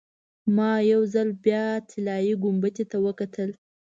ما یو ځل بیا طلایي ګنبدې ته وکتل.